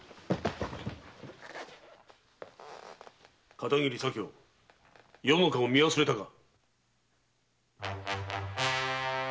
片桐左京余の顔見忘れたか。